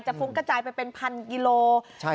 จะฟุ้งกระจายไปเป็นพันกิโลกรัม